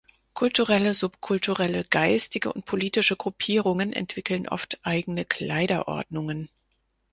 Kulturelle, subkulturelle, geistige und politische Gruppierungen entwickeln oft eigene Kleiderordnungen.